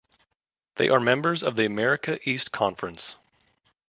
They are members of the America East Conference.